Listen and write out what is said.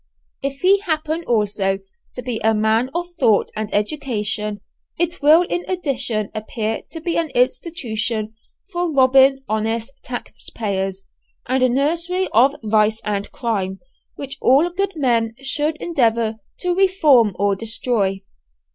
If he happen also to be a man of thought and education, it will in addition appear to be an institution for robbing honest tax payers, and a nursery of vice and crime, which all good men should endeavour to reform or destroy.